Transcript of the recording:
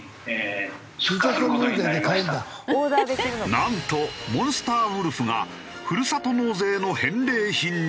なんとモンスターウルフがふるさと納税の返礼品に。